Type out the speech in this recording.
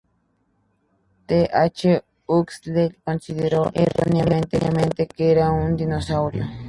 T. H. Huxley considero erróneamente que era un dinosaurio.